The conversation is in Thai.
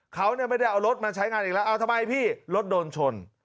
เขาไม่ได้เอารถมาใช้งานอีกแล้วเอาทำไมพี่รถโดนชน